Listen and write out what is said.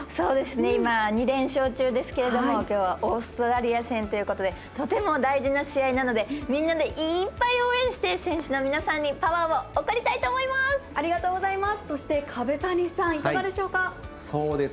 今、２連勝中ですがきょうはオーストラリア戦ということでとても大事な試合なのでみんなでいっぱい応援して選手の皆さんにパワーを送りたいと思います。